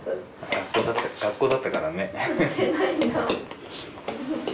学校だったからね。